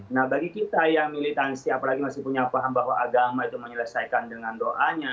nah bagi kita yang militansi apalagi masih punya paham bahwa agama itu menyelesaikan dengan doanya